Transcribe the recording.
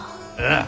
ああ。